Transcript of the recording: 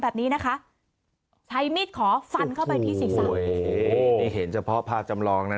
แบบนี้นะคะใช้มีดขอฟันเข้าไปที่ศีรษะโอ้โหนี่เห็นเฉพาะภาพจำลองนะ